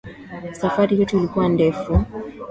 Safari yetu ilikuwa ndefu